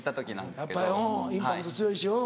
やっぱりインパクト強いしうん。